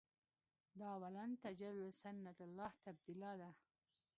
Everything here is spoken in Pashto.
دا ولن تجد لسنة الله تبدیلا ده.